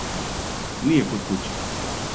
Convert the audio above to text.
Није код куће.